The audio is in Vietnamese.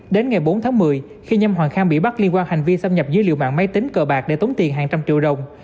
đến ngày bốn tháng một mươi khi nhâm hoàng khang bị bắt liên quan hành vi xâm nhập dữ liệu mạng máy tính cờ bạc để tống tiền hàng trăm triệu đồng